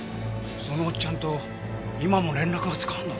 そのおっちゃんと今も連絡がつかんのですよ。